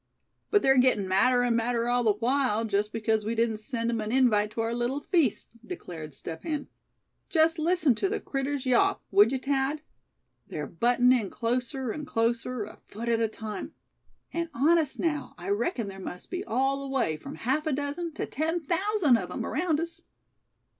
"But they're gettin' madder and madder all the while, just because we didn't send 'em an invite to our little feast!" declared Step Hen. "Just listen to the critters yawp, would you, Thad? They're buttin' in closer and closer, a foot at a time. And honest now, I reckon there must be all the way from half a dozen to ten thousand of 'em around us."